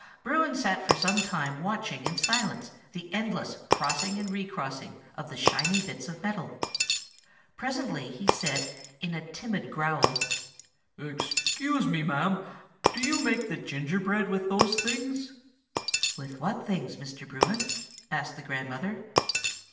Bruin sat for some time watching in silence the endless crossing and re crossing of the shining bits of steel. Presently he said in a timid growl,— "Excuse me, ma'am; do you make the gingerbread with those things?" "With what things, Mr. Bruin?" asked the grandmother.